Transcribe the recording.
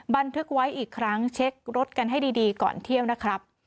บันทึกไว้อีกครั้งเช็ครถกันให้ดีก่อนเที่ยวนะครับ